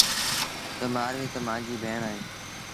تا مآرويٚ تا مآݩجيٚ ڀيڻ اهي۔